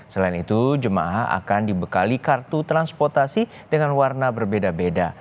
selain itu jemaah akan dibekali kartu transportasi dengan warna berbeda beda